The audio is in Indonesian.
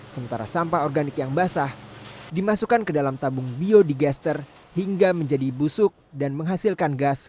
sementara sampah organik yang basah dimasukkan ke dalam tabung biodigester hingga menjadi busuk dan menghasilkan gas